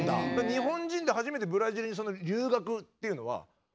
日本人で初めてブラジルに留学っていうのは多分水島さん。